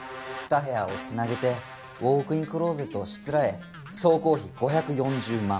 ２部屋をつなげてウオークインクローゼットをしつらえ総工費５４０万。